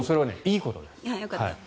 よかった。